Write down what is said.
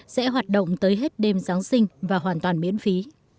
sẽ hoạt động tới hết đêm giáng sinh và hoàn toàn miễn phí